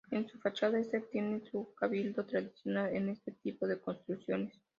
En su fachada este tiene un cabildo, tradicional en este tipo de construcciones.